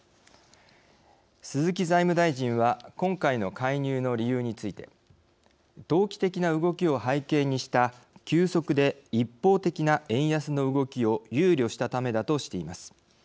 鈴木財務大臣は今回の介入の理由について「投機的な動きを背景にした急速で一方的な円安の動きを憂慮したため」だとしています。